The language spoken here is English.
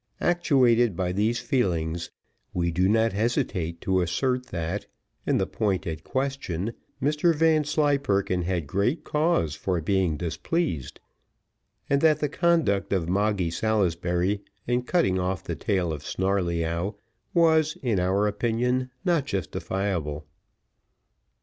Actuated by these feelings, we do not hesitate to assert, that, in the point at question, Mr Vanslyperken had great cause for being displeased; and that the conduct of Moggy Salisbury, in cutting off the tail of Snarleyyow was, in our opinion, not justifiable.